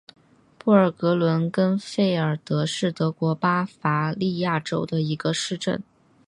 布尔格伦根费尔德是德国巴伐利亚州的一个市镇。